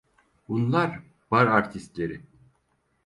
Bunlar bar artistleri…